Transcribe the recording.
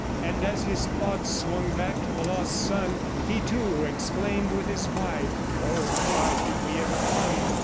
And as his thoughts swung back to the lost son he, too, exclaimed with his wife, "Oh, why did we ever come?